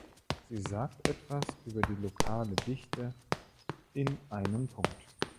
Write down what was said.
Sie sagt etwas über die lokale Dichte in einem Punkt.